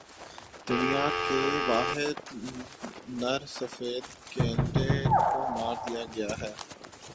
دنیا کے واحد نر سفید گینڈے کو مار دیا گیا